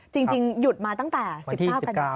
จริงหยุดมาตั้งแต่วันที่๑๙